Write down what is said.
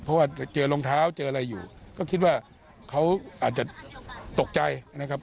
เพราะว่าเจอรองเท้าเจออะไรอยู่ก็คิดว่าเขาอาจจะตกใจนะครับ